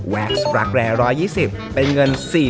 แว็กซ์รักแร้๑๒๐